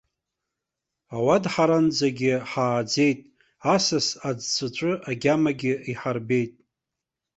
Ауадҳаранӡагьы ҳааӡеит, асас аӡҵәыҵәы агьамагьы иҳарбеит.